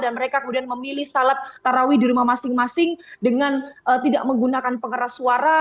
dan mereka kemudian memilih sholat tarawih di rumah masing masing dengan tidak menggunakan pengeras suara